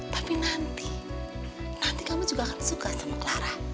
tapi nanti nanti kamu juga akan suka sama clara